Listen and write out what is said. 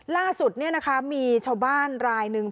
ล่าสุดเนี่ยนะคะมีชาวบ้านรายหนึ่ง